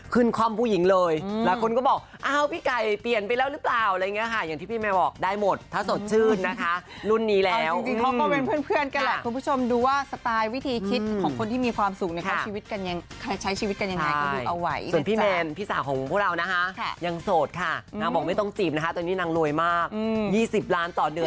ซึ่งเราบอกว่าติดตาค่ะ